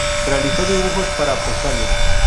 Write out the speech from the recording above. Realizó dibujos para postales.